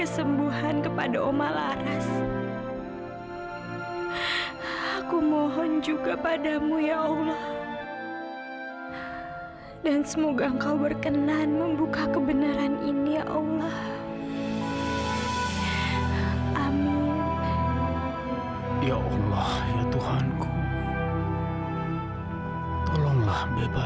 sampai jumpa di video selanjutnya